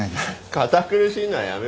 堅苦しいのはやめましょ。